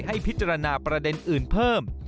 ให้พิจารณาประเด็นอื่นเพิ่ม